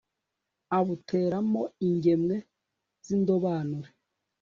abuteramo ingemwe z'indobanure